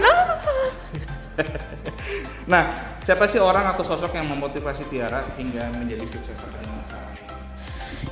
nah siapa sih orang atau sosok yang memotivasi tiara hingga menjadi sukses pertandingan